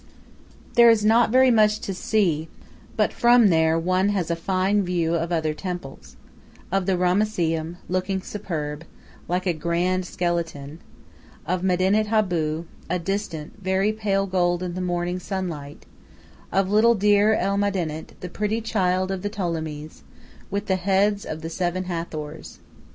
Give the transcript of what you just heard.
There is not very much to see, but from there one has a fine view of other temples of the Ramesseum, looking superb, like a grand skeleton; of Medinet Abu, distant, very pale gold in the morning sunlight; of little Deir al Medinet, the pretty child of the Ptolemies, with the heads of the seven Hathors.